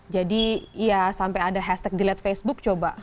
jadi ya sampai ada hashtag dilihat facebook coba